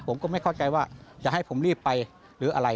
ผมก็ไม่เข้าใจว่าจะให้ผมรีบไปหรืออะไร